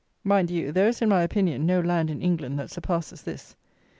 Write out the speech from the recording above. Mind you, there is, in my opinion, no land in England that surpasses this.